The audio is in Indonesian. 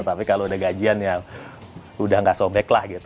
tapi kalau ada gajian ya udah gak sobek lah gitu